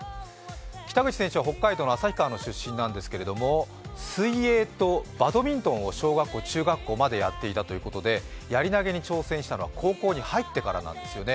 北口選手は北海道の旭川の出身なんですが、水泳とバドミントンを小学校、中学校までやっていたということでやり投げを始めたのは高校に入ってからなんですよね。